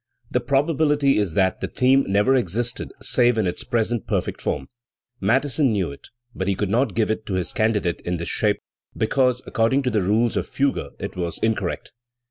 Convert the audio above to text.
The probability is that the theme never existed save in its present perfect form. Mattheson knew it, but he could not give it to his candidate in this shape, because according to the rules of fugue it was incorrect.